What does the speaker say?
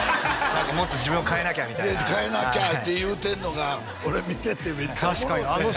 もっと自分を変えなきゃみたいな変えなきゃって言うてんのが俺見ててめっちゃおもろうて確かにあの